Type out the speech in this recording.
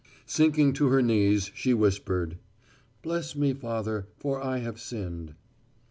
Sinking to her knees she whispered, "Bless me, Father, for I have sinned."